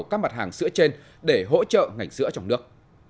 các mặt hàng sữa trên để hỗ trợ ngành sữa trong nước